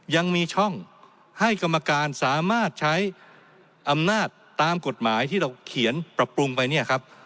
ยังมีช่องให้กรรมการสามารถใช้อำนาจตามกฎหมายที่เราเขียนปรับปรุงไปเนี่ยครับ